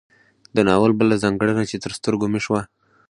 د ناول بله ځانګړنه چې تر سترګو مې شوه